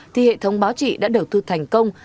thì hệ thống báo chị đã đầu tư thành công